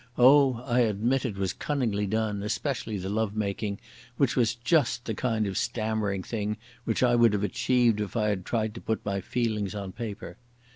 Oh, I admit it was cunningly done, especially the love making, which was just the kind of stammering thing which I would have achieved if I had tried to put my feelings on paper.